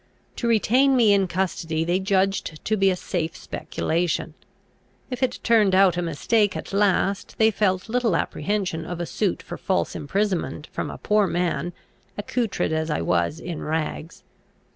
To retain me in custody they judged to be a safe speculation; if it turned out a mistake at last, they felt little apprehension of a suit for false imprisonment from a poor man, accoutred as I was, in rags.